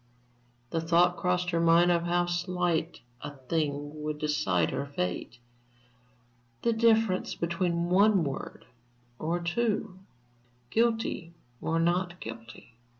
The thought crossed her mind of how slight a thing would decide her fate the difference between one word or two, guilty or not guilty.